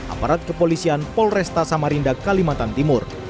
aparat kepolisian polresta samarinda kalimantan timur